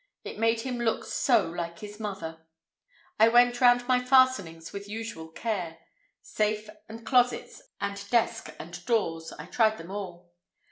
It made him look so like his mother! I went round my fastenings with unusual care. Safe and closets and desk and doors, I tried them all.